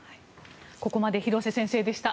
ここまで廣瀬先生でした。